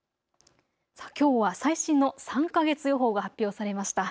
きょうは最新の３か月予報が発表されました。